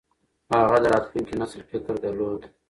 هغه د راتلونکي نسل فکر درلود.